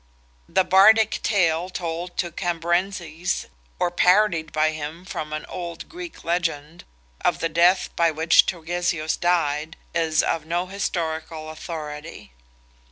The Bardic tale told to Cambrensis, or parodied by him from an old Greek legend, of the death by which Turgesius died, is of no historical authority.